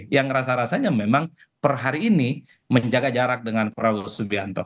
yang rasa rasanya memang per hari ini menjaga jarak dengan prabowo subianto